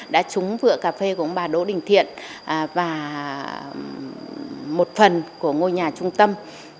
đã trúng vựa cà phê của ông bà đỗ đình thiện và một phần của ngôi nhà trung tâm